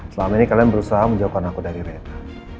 selama ini kalian berusaha menjauhkan aku dari rena